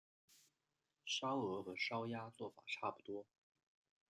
烧鹅和烧鸭做法差不多。